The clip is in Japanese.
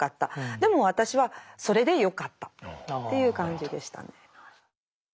でも私はそれでよかったっていう感じでしたね。